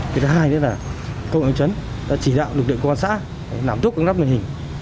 cái thứ hai nữa là công nghệ quân chấn đã chỉ đạo lực lượng quân xã làm tốt công tác lực hình